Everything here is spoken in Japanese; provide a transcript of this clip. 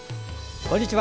こんにちは。